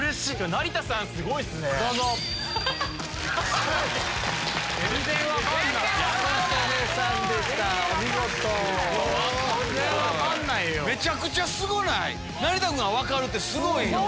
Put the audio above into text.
成田君が分かるってすごいよ。